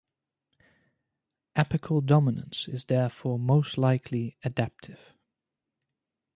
Apical dominance is therefore most likely adaptive.